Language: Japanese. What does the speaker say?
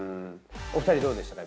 お二人どうでしたか？